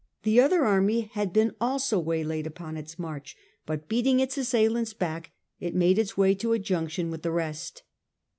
The other army had been also waylaid upon its march, but beating its assailants back, it made its way to a junction with the rest.